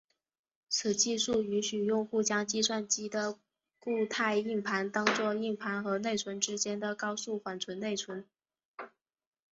此技术允许用户将计算机的固态硬盘当做硬盘和内存之间的高速缓存内存。